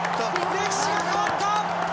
歴史が変わった！